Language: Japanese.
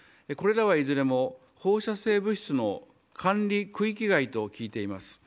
これらはいずれも、放射性物質の管理区域外と聞いています。